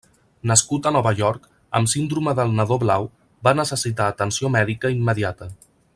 Nascut a Nova York, amb síndrome del nadó blau, va necessitar atenció mèdica immediata.